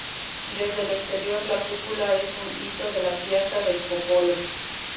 Desde el exterior la cúpula es un hito de la Piazza del Popolo.